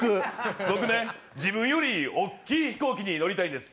僕ね、自分より大きい飛行機に乗りたいんです。